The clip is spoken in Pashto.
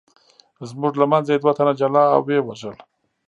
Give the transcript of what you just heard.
زموږ له منځه یې دوه تنه جلا او ویې وژل.